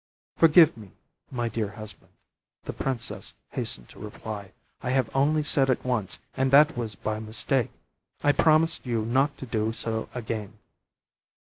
"Forgive me, my dear husband," the princess hastened to reply, "I have only said it once, and that was by mistake. I promise you not to do so again."